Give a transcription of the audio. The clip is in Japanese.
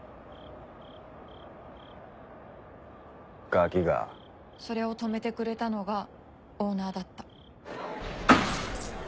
ガキがそれを止めてくれたのがオーナーだった。